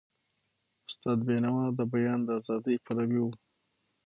استاد بینوا د بیان د ازادی پلوی و.